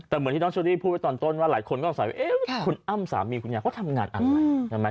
แต่เหมือนที่น้องชุดี้พูดไว้ตอนต้นว่าหลายคนก็อาศัยว่าเอ๊ะคุณอ้ำสามีคุณยาวเขาทำงานอันไง